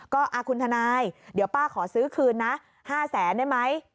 ก็คุณทนายเดี๋ยวป้าขอซื้อคืนนะ๕แสนได้ไหม